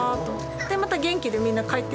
でまた元気でみんな帰っていくから。